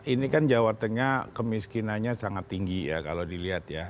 ini kan jawa tengah kemiskinannya sangat tinggi ya kalau dilihat ya